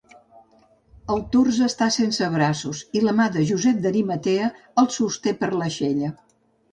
El tors està sense braços i la mà de Josep d'Arimatea el sosté per l'aixella.